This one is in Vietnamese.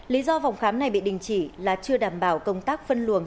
lý do phòng khám này bị đình chỉ là chưa đảm bảo công tác phân luồng